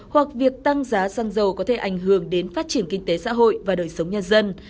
hoặc việc tăng giá xăng dầu có thể ảnh hưởng đến phát triển kinh tế xã hội và đời sống nhân dân